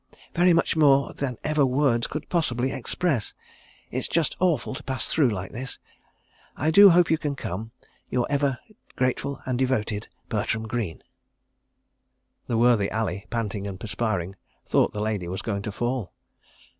_Very much more than __ever words could possibly express_. It is just awful to pass through like this. "I do hope you can come. "Your ever grateful and devoted "BERTRAM GREENE." The worthy Ali, panting and perspiring, thought the lady was going to fall.